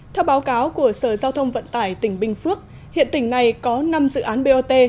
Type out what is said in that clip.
theo báo cáo của sở giao thông vận tải tỉnh bình phước hiện tỉnh này có năm dự án bot